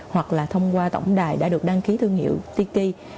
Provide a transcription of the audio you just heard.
hoặc là thông qua tổng đài đã được đăng ký thương hiệu tiki